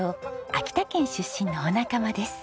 秋田県出身のお仲間です。